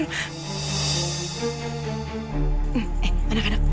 eh anak anak tenang